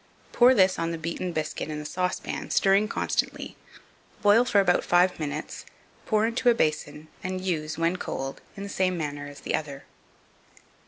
Pour this on the beaten biscuit in the saucepan, stirring constantly; boil for about five minutes, pour into a basin, and use, when cold, in the same manner as the other.